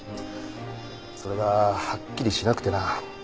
それがはっきりしなくてな。